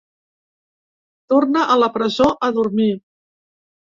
Torna a la presó a dormir.